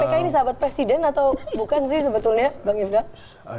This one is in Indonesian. jadi kpk ini sahabat presiden atau bukan sih sebetulnya bang ifdal